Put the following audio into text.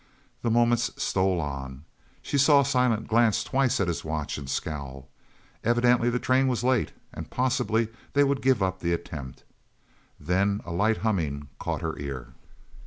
The moments stole on. She saw Silent glance twice at his watch and scowl. Evidently the train was late and possibly they would give up the attempt. Then a light humming caught her ear.